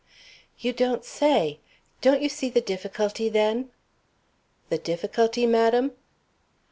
"You don't say! Don't you see the difficulty, then?" "The difficulty, madam?"